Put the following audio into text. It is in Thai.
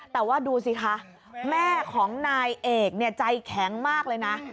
แต่ว่าดูสิคะแม่ของนายเอกเนี่ยใจแข็งมากเลยนะ